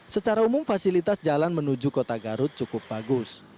secara umum fasilitas jalan menuju kota garut cukup bagus